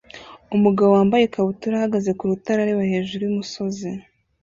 Umugabo wambaye ikabutura ahagaze ku rutare areba hejuru yumusozi